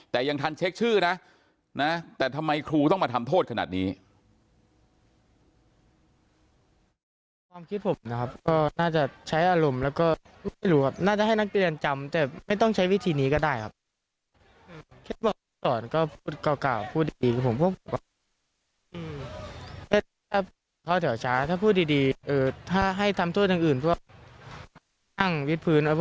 แต่ยังทันเช็คชื่อนะแต่ทำไมครูต้องมาทำโทษขนาดนี้